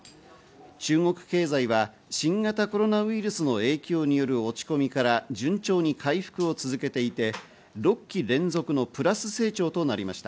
中国経済は新型コロナウイルスの影響による落ち込みから順調に回復を続けてきていて、６期連続のプラス成長となりました。